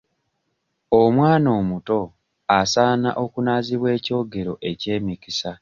Omwana omuto asaana okunaazibwa eky'ogero eky'emikisa.